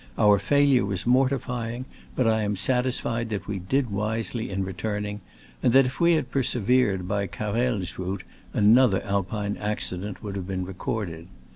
Our failure was mortifying, but I am satis fied that we did wisely in returning, and that if we had persevered by Carrel's route another Alpine accident would have been recorded.